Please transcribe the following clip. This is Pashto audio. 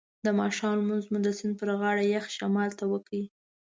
د ماښام لمونځ مو د سیند پر غاړه یخ شمال ته وکړ.